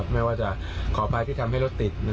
ไม่ว่าจะขออภัยที่ทำให้รถติด